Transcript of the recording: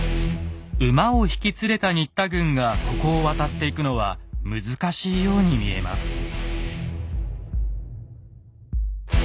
馬を引き連れた新田軍がここを渡っていくのは難しいように見えます。